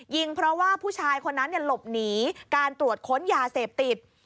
ยิงเพราะว่าผู้ชายคนนั้นหลบหนีการตรวจค้นยาเสพติด